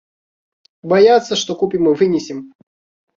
Баяцца, што купім і вынесем.